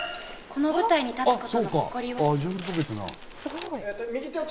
この舞台に立つことの誇りを。